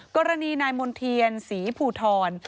กรณีนายมณ์เทียนศรีภูทร